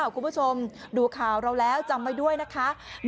คุณผู้ชมดูข่าวเราแล้วจำไว้ด้วยนะคะ